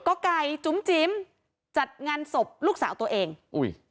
ก็ไก่จุ๋มจิ๋มจัดงานศพลูกสาวตัวเองอุ้ย